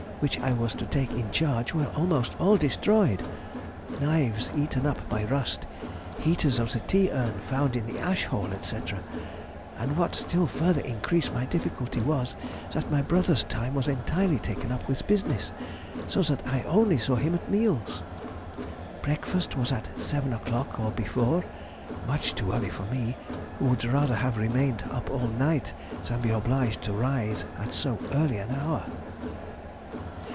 which I was to take in charge, were almost all destroyed: knives eaten up by rust, heaters of the tea urn found in the ash hole, &c. And what still further increased my difficulty was, that my brother's time was entirely taken up with business, so that I only saw him at meals. Breakfast was at 7 o'clock or before (much too early for me, who would rather have remained up all night than be obliged to rise at so early an hour)....